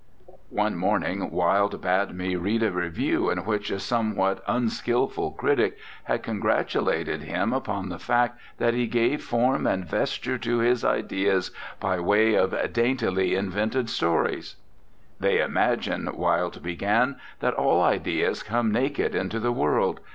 One morning Wilde bade me read a review in which a somewhat unskilful critic had congratulated him upon the fact that he "gave form and vesture to his ideas by way of daintily invented stories/' "They imagine," Wilde began, "that all ideas come naked into the world.